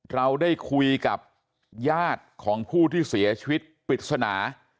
เราได้คุยกับญาติของผู้ที่เสียชีวิตปริศนา